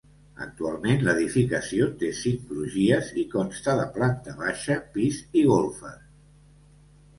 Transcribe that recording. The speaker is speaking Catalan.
Actualment l'edificació té cinc crugies i consta de planta baixa, pis i golfes.